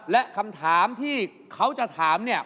และคำถามที่เขาจะถามเนี่ย